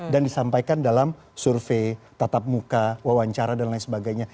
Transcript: dan disampaikan dalam survei tatap muka wawancara dan lain sebagainya